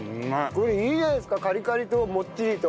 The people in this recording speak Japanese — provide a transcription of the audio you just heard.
これいいじゃないですかカリカリともっちりと。